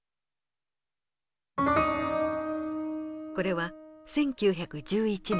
これは１９１１年